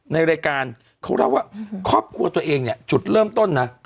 ในรายการเขาเล่าว่าครอบครัวตัวเองเนี่ยจุดเริ่มต้นนะ